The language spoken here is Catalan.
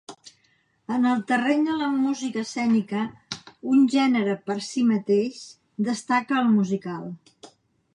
En el terreny de la música escènica, un gènere per si mateix, destaca el musical.